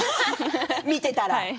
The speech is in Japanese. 見ていたら。